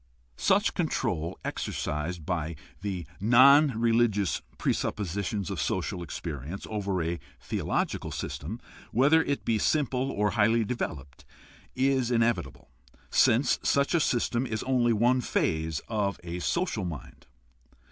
Such control exercised by the non religious presuppositions of social experience over a theological system, whether it be simple or highly developed, is inevitable, since such a system is only one phase of a social mind.